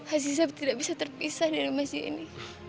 aziza tidak bisa terpisah dari mazen ini